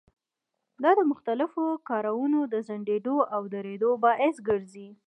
دا د مختلفو کارونو د ځنډېدلو او درېدلو باعث ګرځي.